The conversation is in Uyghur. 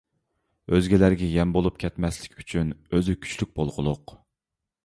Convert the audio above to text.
ئۆزگىلەرگە يەم بولۇپ كەتمەسلىك ئۈچۈن ئۆزى كۈچلۈك بولغۇلۇق.